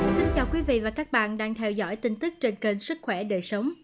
xin chào quý vị và các bạn đang theo dõi tin tức trên kênh sức khỏe đời sống